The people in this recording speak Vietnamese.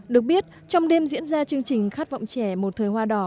được biết trong đêm diễn ra chương trình khát vọng trẻ một thời hoa đỏ